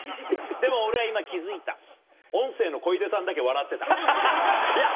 でも俺は今気付いた音声のコイデさんだけ笑ってた。